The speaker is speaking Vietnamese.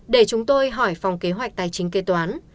để chúng tôi hỏi phòng kế hoạch tài chính kế toán